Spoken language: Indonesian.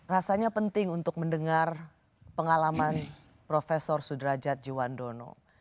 rasanya penting untuk mendengar pengalaman prof sudrajat jiwandono